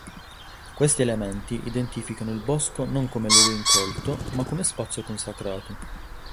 Questi elementi identificano il bosco non come luogo incolto, ma come spazio consacrato.